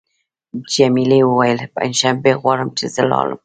جميلې وويل: بخښنه غواړم چې زه لاړم.